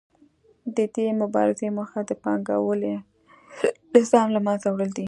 د دې مبارزې موخه د پانګوالي نظام له منځه وړل دي